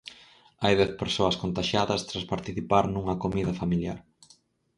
Hai dez persoas contaxiadas tras participar nunha comida familiar.